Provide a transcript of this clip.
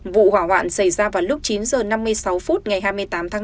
vụ hỏa hoạn xảy ra vào lúc chín giờ năm mươi sáu phút ngày hai mươi tám tháng năm